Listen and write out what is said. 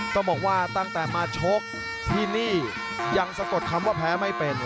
ต้องบอกว่าตั้งแต่มาชกที่นี่ยังสะกดคำว่าแพ้ไม่เป็น